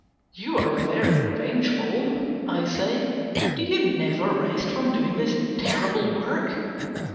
"You are very revengeful," I said. "Do you never rest from doing this terrible work?"